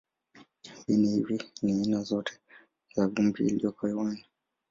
Viini hivi ni aina zote za vumbi iliyoko hewani.